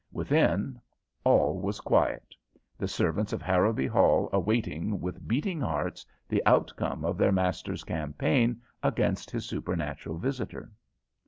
Within all was quiet, the servants of Harrowby Hall awaiting with beating hearts the outcome of their master's campaign against his supernatural visitor.